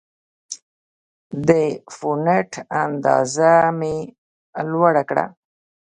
د فونټ اندازه مې لوړه کړه.